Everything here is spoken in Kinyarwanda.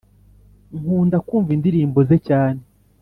Nkunda kumva indirimbo ze cyane.